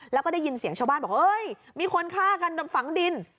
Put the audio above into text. แล้วก็ได้ยินเสียงชาวบ้านบอกเฮ้ยมีคนฆ่ากันฝังดิน